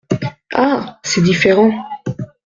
Ah ! c’est différent.